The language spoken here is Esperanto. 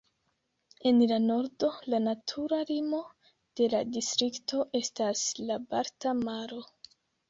En la nordo, la natura limo de la distrikto estas la Balta Maro.